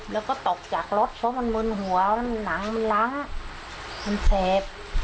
แล้วก็ตกจากรถเพราะมันมืนหัวมันหลังมันเสพ